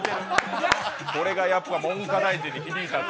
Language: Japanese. これがやっぱり文科大臣に響いた。